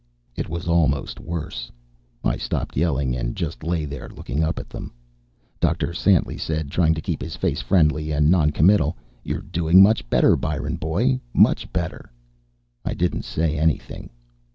It was almost worse. I stopped yelling and just lay there, looking up at them. Dr. Santly said, trying to keep his face friendly and noncommittal, "You're doing much better, Byron, boy. Much better." I didn't say anything.